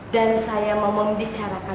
dan saya mau membicarakan